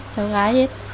cháu gái hết